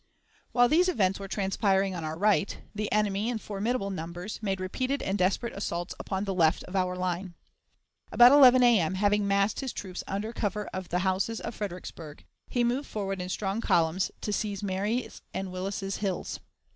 While these events were transpiring on our right, the enemy, in formidable numbers, made repeated and desperate assaults upon the left of our line. About 11 A.M., having massed his troops under cover of the houses of Fredericksburg, he moved forward in strong columns to seize Marye's and Willis's Hills.